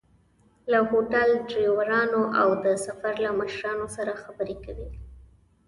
له هوټل، ډریورانو او د سفر له مشرانو سره خبرې کوي.